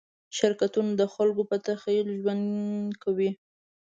شرکتونه د خلکو په تخیل ژوند کوي.